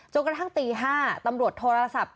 กระทั่งตี๕ตำรวจโทรศัพท์